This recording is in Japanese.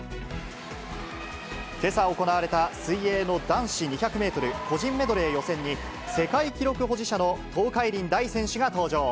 けさ行われた、水泳の男子２００メートル個人メドレー予選に、世界記録保持者の東海林大選手が登場。